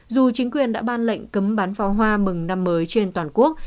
dù chính quyền đã ban lệnh cấm bán pháo hoa mừng năm mới trên toàn quốc